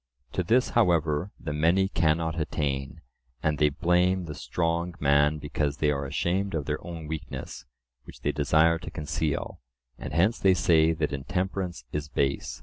To this however the many cannot attain; and they blame the strong man because they are ashamed of their own weakness, which they desire to conceal, and hence they say that intemperance is base.